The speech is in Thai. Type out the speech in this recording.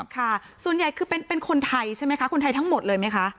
ค่ะส่วนใหญ่คือเป็นคนไทยใช่ไหมคะคนไทยทั้งหมดเลยไหมคะ